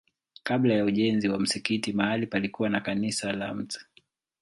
Kabla ya ujenzi wa msikiti mahali palikuwa na kanisa la Mt.